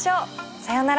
さよなら。